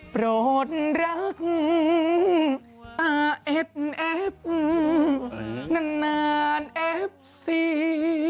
โปรดรักอาเอฟนานเอฟซี